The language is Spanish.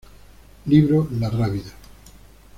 Libro "La Rábida.